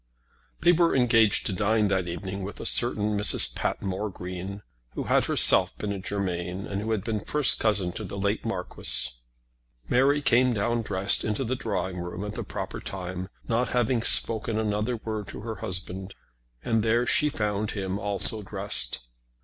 They were engaged to dine that evening with a certain Mrs. Patmore Green, who had herself been a Germain, and who had been first cousin to the late marquis. Mary came down dressed into the drawing room at the proper time, not having spoken another word to her husband, and there she found him also dressed.